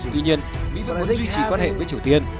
tuy nhiên mỹ vẫn muốn duy trì quan hệ với triều tiên